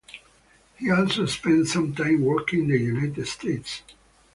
He also spent some time working in the United States.